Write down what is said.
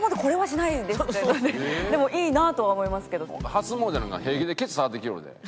初詣なんか平気でケツ触ってきよるで？